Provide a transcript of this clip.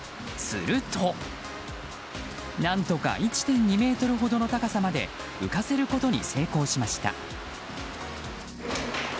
すると、何とか１．２ｍほどの高さまで浮かせることに成功しました。